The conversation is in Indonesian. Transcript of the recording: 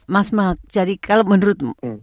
mas mak jadi kalau menurutmu